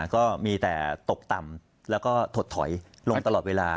ก็มีแต่ตกต่ำแล้วก็ถดถอยลงตลอดเวลา